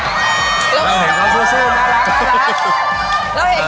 เราเห็นเขาซื้อน่ารัก